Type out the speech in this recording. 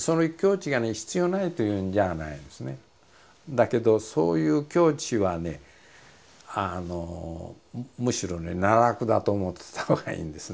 だけどそういう境地はねむしろね奈落だと思ってたほうがいいんですね。